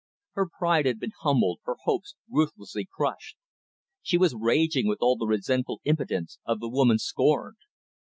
Her pride had been humbled, her hopes ruthlessly crushed. She was raging with all the resentful impotence of the woman scorned.